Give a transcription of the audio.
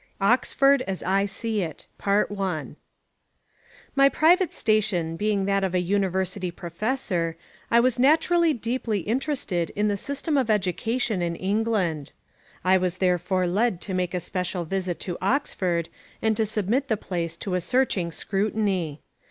V. Oxford as I See It MY private station being that of a university professor, I was naturally deeply interested in the system of education in England. I was therefore led to make a special visit to Oxford and to submit the place to a searching scrutiny.